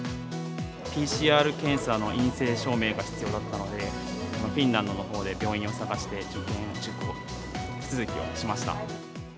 ＰＣＲ検査の陰性証明が必要だったので、フィンランドのほうで病院を探して、受検手続きはしました。